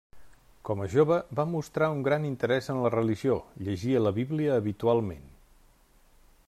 Com a jove, va mostrar un gran interès en la religió, llegia la Bíblia habitualment.